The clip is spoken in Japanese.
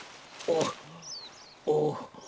おお。